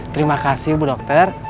terima kasih bu dokter